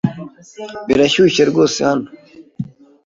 Birashyushye rwose hano.